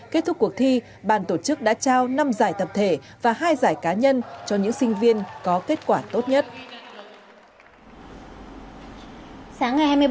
kết thúc cuộc thi bàn tổ chức đã trao năm giải tập thể và hai giải cá nhân cho những sinh viên có kết quả tốt nhất